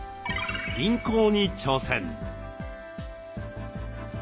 輪行に挑戦。